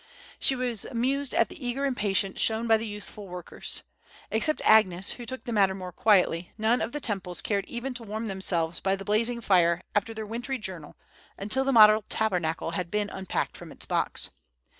She was amused at the eager impatience shown by the youthful workers. Except Agnes, who took the matter more quietly, none of the Temples cared even to warm themselves by the blazing fire after their wintry journey until the model Tabernacle had been unpacked from its box.